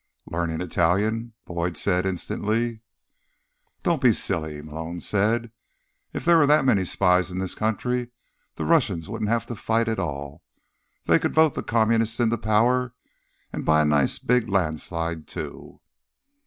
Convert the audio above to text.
"Learning Italian," Boyd said instantly. "Don't be silly," Malone said. "If there were that many spies in this country, the Russians wouldn't have to fight at all. They could vote the Communists into power, and by a nice big landslide, too."